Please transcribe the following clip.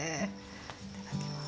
いただきます。